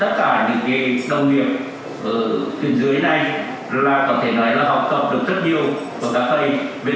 là có thể nói là học tập được rất nhiều của các thầy